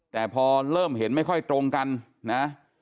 แต่พอเริ่มเห็นไม่ค่อยตรงกันนะ